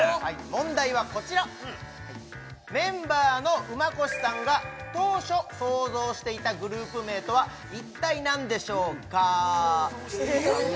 問題はこちらメンバーの馬越さんが当初想像していたグループ名とは一体何でしょうかええっ？